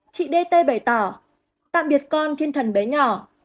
chị d t bày tỏ tạm biệt con thiên thần bé nhỏ